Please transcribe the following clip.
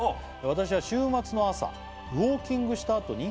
私は週末の朝ウォーキングしたあとに」